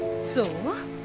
そう？